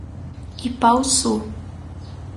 Ipaussu